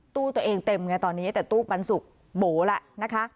ตู้ตัวเองเต็มไงตอนนี้แต่ตู้ปันสุกโบแล้วนะคะ